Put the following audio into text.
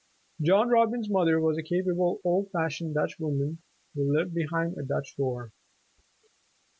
John Robbins' mother was a capable, old fashioned Dutch woman, who lived behind a Dutch door.